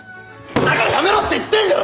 だからやめろって言ってんだろ！